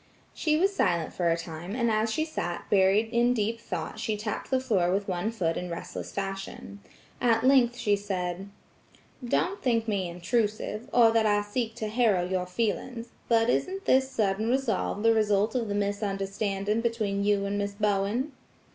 She was silent for a time and as she sat buried in deep thought she tapped the floor with one foot in restless fashion. At length she said: "Don't think me intrusive, or that I seek to harrow your feelings, but isn't this sudden resolve the result of the misunderstanding between you and Miss Bowen?"